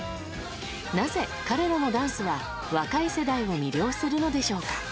なぜ彼らのダンスは若い世代を魅了するのでしょうか。